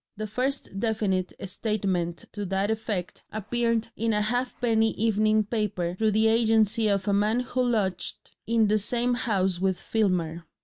The first definite statement to that effect appeared in a halfpenny evening paper through the agency of a man who lodged in the same house with Filmer.